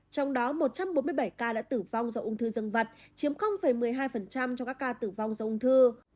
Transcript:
trong đó một trăm bốn mươi bảy ca đã tử vong do ung thư dân vặt chiếm một mươi hai trong các ca tử vong do ung thư